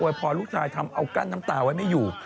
ลูกชายทำเอากั้นน้ำตาไว้ไม่อยู่